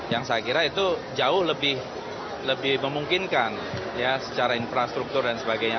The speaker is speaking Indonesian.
yang saya kira itu jauh lebih memungkinkan secara infrastruktur dan sebagainya